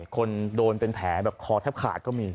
คนโดนเป็นแผลแบบคอแทบขาดก็มี